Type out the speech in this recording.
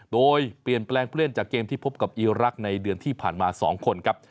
โดยเปลี่ยนแปลงเปลี่ยนจากเกมที่พบกับอีรักษ์ในเดือนที่ผ่านมา๒คนครับ